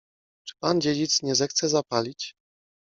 Czy pan dziedzic nie zechce zapalić?